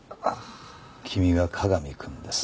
君が加賀美くんですね？